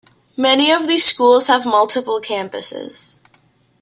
Many of these schools have multiple campuses.